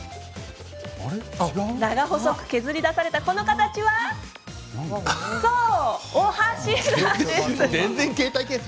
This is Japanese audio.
細長く削り出されたこの形はそう、お箸です。